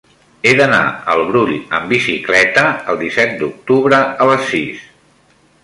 He d'anar al Brull amb bicicleta el disset d'octubre a les sis.